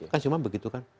kan cuma begitu kan